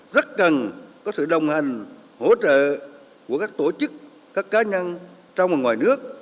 rất cần có sự đồng hành hỗ trợ của các tổ chức các cá nhân trong và ngoài nước